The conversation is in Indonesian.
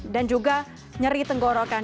dan juga nyeri tenggorokan